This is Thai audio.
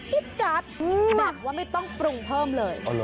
จิ๊บจัดแน่นว่าไม่ต้องปรุงเพิ่มเลย